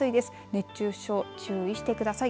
熱中症注意してください。